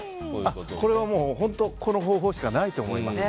これは本当この方法しかないと思います。